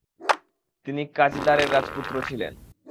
তিনি কাজদারের রাজপুত্র ছিলেন।